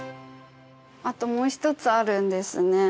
あともう一つあるんですね。